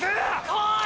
来い！！